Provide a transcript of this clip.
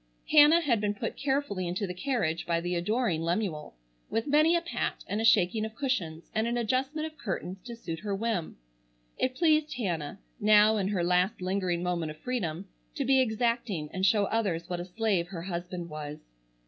Hannah had been put carefully into the carriage by the adoring Lemuel, with many a pat, and a shaking of cushions, and an adjustment of curtains to suit her whim. It pleased Hannah, now in her last lingering moment of freedom, to be exacting and show others what a slave her husband was.